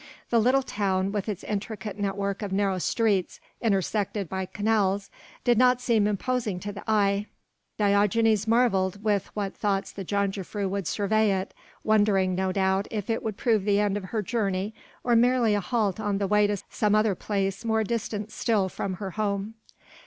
The little town with its intricate network of narrow streets intersected by canals did not seem imposing to the eye. Diogenes marvelled with what thoughts the jongejuffrouw would survey it wondering no doubt if it would prove the end of her journey or merely a halt on the way to some other place more distant still from her home.